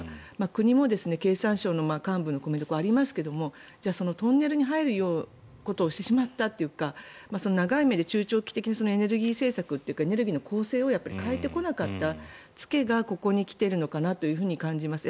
国も、経産省の幹部のコメントがありますがそのトンネルに入ることをしてしまったというか長い目で、中長期的なエネルギー政策というかエネルギーの構成を変えてこなかった付けがここに来ているのかなと感じます。